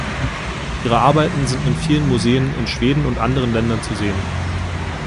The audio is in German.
Ihre Arbeiten sind in vielen Museen in Schweden und anderen Ländern zu sehen.